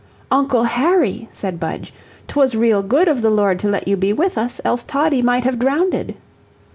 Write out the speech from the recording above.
"Uncle Harry," said Budge, "'twas real good of the Lord to let you be with us, else Toddie might have been drownded."